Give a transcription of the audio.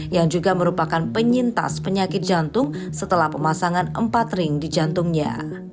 yang juga merupakan penyintas penyakit jantung setelah pemasangan empat ring di jantungnya